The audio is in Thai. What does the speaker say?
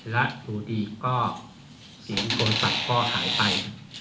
แล้วสินโทรศัพท์ก็หายไป